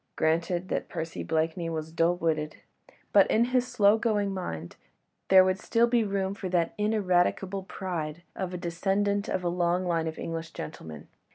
Granted that Percy Blakeney was dull witted, but in his slow going mind, there would still be room for that ineradicable pride of a descendant of a long line of English gentlemen.